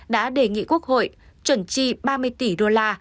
đã đề nghị quốc hội chuẩn tri ba mươi tỷ đô la